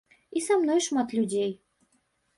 І са мной шмат людзей.